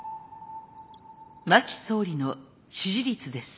真木総理の支持率です。